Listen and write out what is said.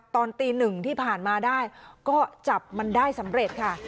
ตอนตีหนึ่งที่ผ่านมาได้ก็จับมันได้สำเร็จค่ะ